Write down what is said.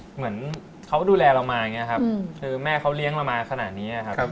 เหมือนเขาดูแลเรามาอย่างนี้ครับคือแม่เขาเลี้ยงเรามาขนาดนี้ครับ